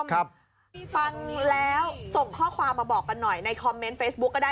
ฟังแล้วส่งข้อความมาบอกกันหน่อยในคอมเมนต์เฟซบุ๊กก็ได้